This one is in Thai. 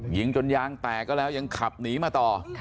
ยิงจนยางแตกก็แล้วยังขับหนีมาต่อ